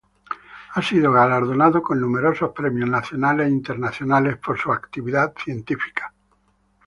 Ha sido galardonado con numerosos premios nacionales e internacionales por su actividad científica.